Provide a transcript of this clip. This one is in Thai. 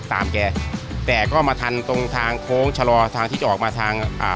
ตามแกแต่ก็มาทันตรงทางโค้งชะลอทางที่จะออกมาทางอ่า